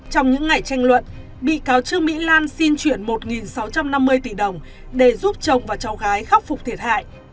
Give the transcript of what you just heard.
trong những ngày tranh luận bị cáo trương mỹ lan xin chuyển một sáu trăm năm mươi tỷ đồng để giúp chồng và cháu gái khắc phục thiệt hại